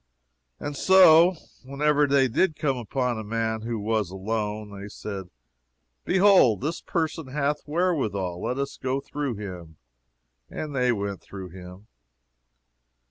And so, whenever they did come upon a man who was alone, they said, Behold, this person hath the wherewithal let us go through him. And they went through him.